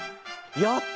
やった！